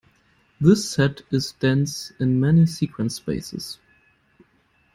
This set is dense in many sequence spaces.